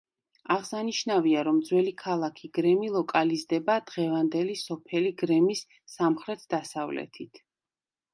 აღსანიშნავია, რომ ძველი ქალაქი გრემი ლოკალიზდება დღევანდელი სოფელი გრემის სამხრეთ-დასავლეთით.